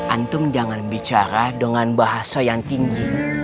antum jangan bicara dengan bahasa yang tinggi